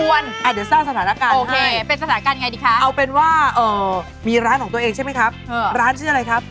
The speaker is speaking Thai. อันนี้แบบสร้างสถานการณ์ให้นะครับค่ะมีร้านของตัวเองใช่ไหมครับร้านชื่ออะไรครับ